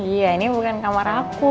iya ini bukan kamar aku